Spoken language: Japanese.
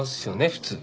普通。